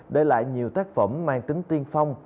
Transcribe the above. để lại nhiều tác phẩm mang tính tiên phong